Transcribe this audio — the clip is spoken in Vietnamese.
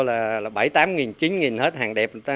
là bảy tám chín hết hàng đẹp